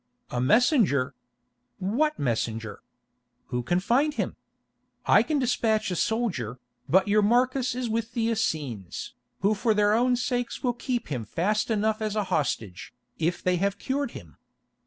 "A messenger! What messenger? Who can find him? I can despatch a soldier, but your Marcus is with the Essenes, who for their own sakes will keep him fast enough as a hostage, if they have cured him.